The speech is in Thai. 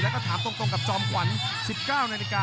แล้วก็ถามตรงกับจอมขวัญ๑๙นาฬิกา